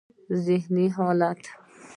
ذهني حالت: